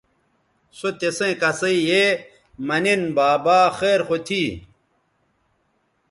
سو تسیئں کسئ یے مہ نِن بابا خیر خو تھی